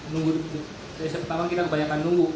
dari saat pertama kita kebanyakan nunggu